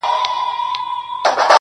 په خپل حسن وه مغروره خانتما وه -